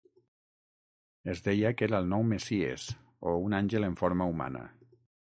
Es deia que era el nou messies, o un àngel en forma humana.